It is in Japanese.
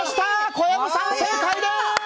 小籔さん、正解です！